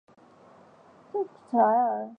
首府凯尔采。